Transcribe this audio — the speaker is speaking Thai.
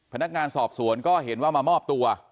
พนักงานสอบสวนก็เห็นว่ามามอบตัว